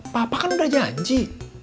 papa kan udah janji